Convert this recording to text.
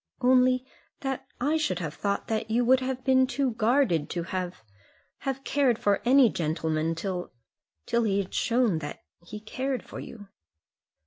"Only that I should have thought that you would have been too guarded to have have cared for any gentleman till till he had shown that he cared for you."